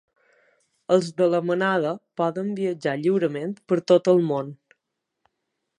Els de la Manada poden viatjar lliurement per tot el món